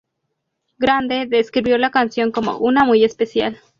Grande describió la canción como "una muy especial".